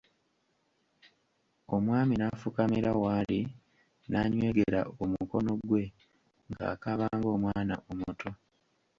Omwami n'afukamira w'ali n'anywegera omukono gwe ng'akaaba ng'omwana omuto.